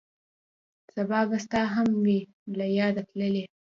سبا به ستا هم وي له یاده تللی